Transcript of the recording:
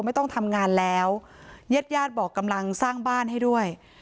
ไม่ต้องทำงานแล้วญาติญาติบอกกำลังสร้างบ้านให้ด้วย